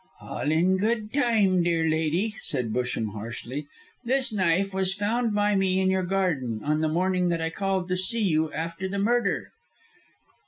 "All in good time, dear lady," said Busham, harshly. "This knife was found by me in your garden, on the morning I called to see you after the murder."